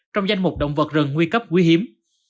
trong danh mục động vật rừng nguy cấp quý hiếm